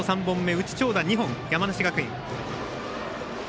うち長打２本、山梨学院。